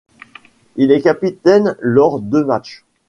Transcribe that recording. Il est capitaine lors deux match.